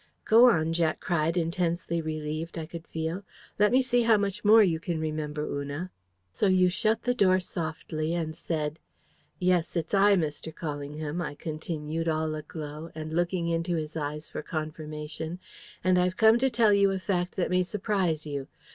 '" "Go on!" Jack cried, intensely relieved, I could feel. "Let me see how much more you can remember, Una." "So you shut the door softly and said: "'Yes, it's I, Mr. Callingham,'" I continued all aglow, and looking into his eyes for confirmation. "'And I've come to tell you a fact that may surprise you.